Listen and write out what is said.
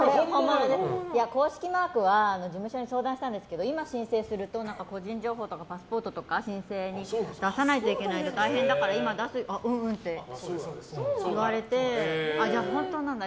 公式マークは事務所に相談したんですけど今、申請すると個人情報とかパスポートとか申請に出さないといけないと大変だから今出さないって言われて。